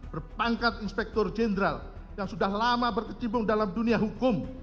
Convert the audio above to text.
berpangkat inspektur jenderal yang sudah lama berkecimpung dalam dunia hukum